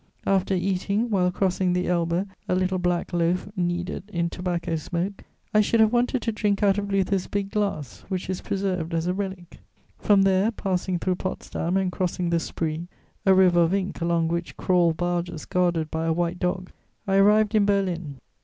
After eating, while crossing the Elbe, a little black loaf kneaded in tobacco smoke, I should have wanted to drink out of Luther's big glass, which is preserved as a relic. From there, passing through Potsdam and crossing the Spree, a river of ink along which crawl barges guarded by a white dog, I arrived in Berlin.